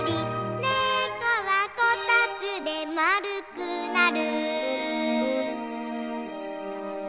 「ねこはこたつでまるくなる」